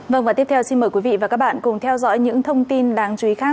vâng và tiếp theo xin mời quý vị và các bạn cùng theo dõi những thông tin đáng chú ý khác